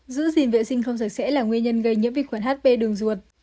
giữ gìn vệ sinh không sạch sẽ là nguyên nhân gây nhiễm vi khuẩn hp đường ruột